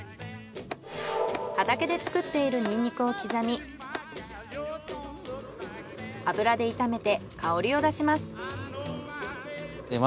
畑で作っているニンニクを刻み油で炒めて香りを出します。